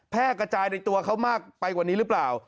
กระจายในตัวเขามากไปกว่านี้หรือเปล่า